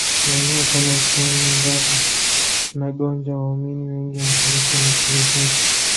Maeneo kama Chome Mbaga na Gonja waumini wengi wa Kanisa la Kilutheri